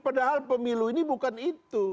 padahal pemilu ini bukan itu